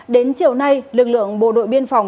đến chiều nay lực lượng bộ đội biên phòng